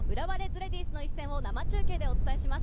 レディースの一戦を生中継でお伝えします。